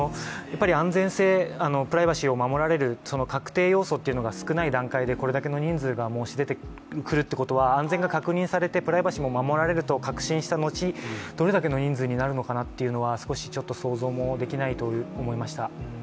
安全性、プライバシーを守られる確定要素が少ない段階でこれだけの人数が申し立ててくるってことは安全が確認されてプライバシーが守られると確信したのち、どれだけの人数になるのかなというのは想像もできないと思いました。